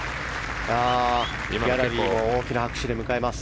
ギャラリーも大きな拍手で迎えます。